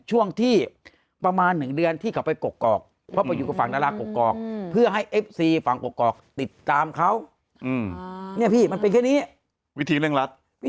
ช่วงที่ประมาณ๑เดือนที่เขาไป